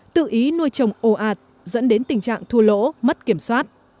tự ý nuôi trồng ồ ạt dẫn đến tình trạng thua lỗ mất kiểm soát